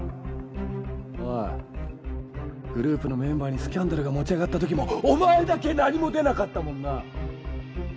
おいグループのメンバーにスキャンダルが持ち上がったときもお前だけ何も出なかったもんな